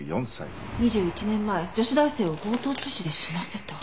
２１年前女子大生を強盗致死で死なせた。